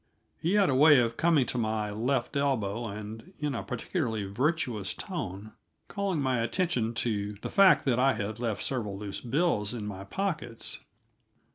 He had a way of coming to my left elbow, and, in a particularly virtuous tone, calling my attention to the fact that I had left several loose bills in my pockets.